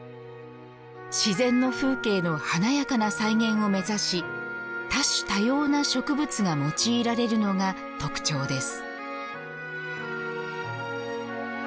自然の風景の華やかな再現を目指し多種多様な植物が用いられるのが特徴です。